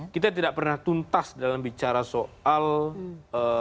kita tidak pernah tuntas dalam bicara soal bagian lain